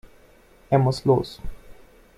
Er muss los.